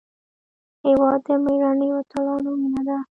هېواد د مېړنیو اتلانو وینه ده.